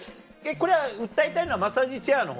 これは訴えたいのはマッサージチェアのほうね？